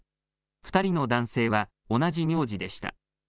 ２人の男性は同じ名字でした。